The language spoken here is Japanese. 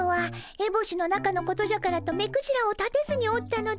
えぼしの中のことじゃからと目くじらを立てずにおったのだが。